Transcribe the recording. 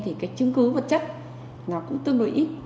thì cái chứng cứ vật chất nó cũng tương đối ít